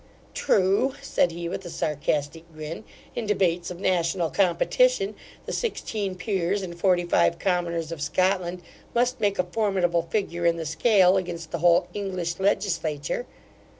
'True (said he, with a sarcastic grin), in debates of national competition, the sixteen peers and forty five commoners of Scotland, must make a formidable figure in the scale, against the whole English legislature.